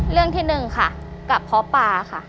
เรื่องที่หนึ่งค่ะกระเพาะปลาค่ะ